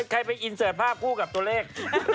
ใครไปอินเสิร์ตภาพคู่กับตัวเลข